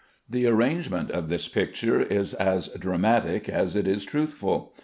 The arrangement of this picture is as dramatic as it is truthful.